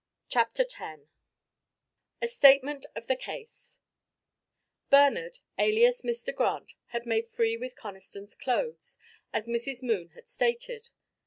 CHAPTER X A STATEMENT OF THE CASE Bernard, alias Mr. Grant, had made free with Conniston's clothes, as Mrs. Moon had stated.